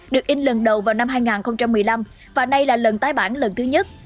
được in lần đầu vào năm hai nghìn một mươi năm và nay là lần tái bản lần thứ nhất